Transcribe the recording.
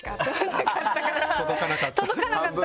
届かなかった。